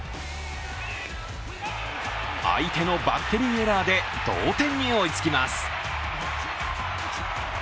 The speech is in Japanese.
相手のバッテリーエラーで同点に追いつきます。